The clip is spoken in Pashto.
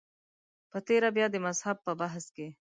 په تېره بیا د مذهب په بحث کې.